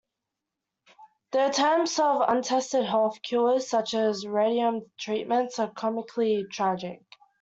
His attempts at untested health cures, such as radium treatments, are comically tragic.